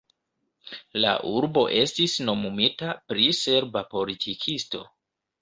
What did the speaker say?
La urbo estis nomumita pri serba politikisto.